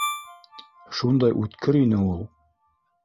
Шундай үткер ине ул!